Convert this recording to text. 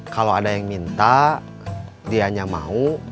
kalau ada yang minta dianya mau